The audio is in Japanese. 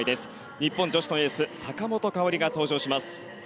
日本女子のエース坂本花織が登場します。